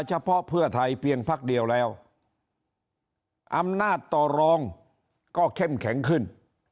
เฉพาะเพื่อไทยเพียงพักเดียวแล้วอำนาจต่อรองก็เข้มแข็งขึ้น